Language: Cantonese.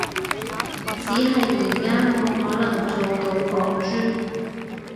只係而家冇可能做到港豬